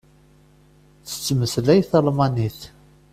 Tettmeslay talmanit.